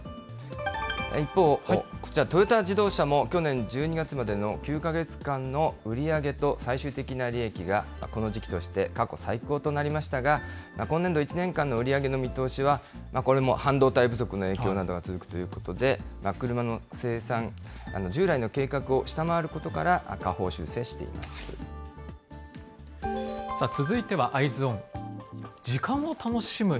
一方、こちら、トヨタ自動車も去年１２月までの９か月間の売り上げと最終的な利益が、この時期として過去最高となりましたが、今年度１年間の売り上げの見通しは、これも半導体不足の影響などが続くということで、車の生産、従来の計画を下回ることから、下方修続いては、Ｅｙｅｓｏｎ。